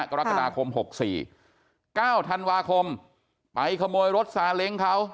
กรกฎาคมหกสี่เก้าธันวาคมไปขโมยรถสาเหลงเขา